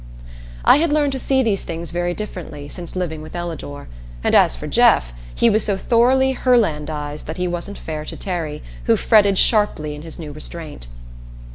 I had learned to see these things very differently since living with Ellador; and as for Jeff, he was so thoroughly Herlandized that he wasn't fair to Terry, who fretted sharply in his new restraint.